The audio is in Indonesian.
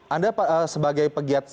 anda sebagai pegiat sepeda